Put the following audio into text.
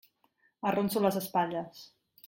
Arronso les espatlles.